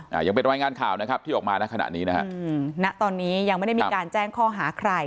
ยังเป็นรายงานข่าวนะครับที่ออกมานะขณะนี้นะฮะอืมณตอนนี้ยังไม่ได้มีการแจ้งข้อหาใคร